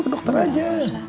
ke dokter aja